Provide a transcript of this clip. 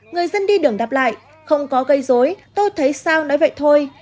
người dân đi đường đạp lại không có gây dối tôi thấy sao nói vậy thôi